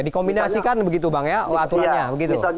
dikombinasikan begitu bang ya aturannya begitu